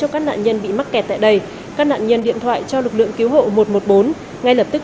các nạn nhân bị mắc kẹt tại đây các nạn nhân điện thoại cho lực lượng cứu hộ một trăm một mươi bốn ngay lập tức